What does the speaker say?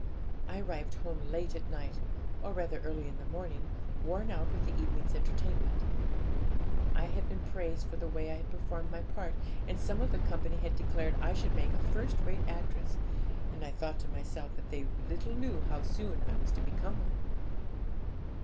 I arrived home late at night, or rather early in the morning, worn out with the evening's entertainment. I had been much praised for the way I had performed my part, and some of the company had declared I should make a first rate actress, and I thought to myself that they little knew how soon I was to become one.